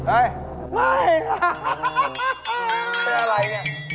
อะไรไม่